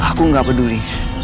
aku nggak peduli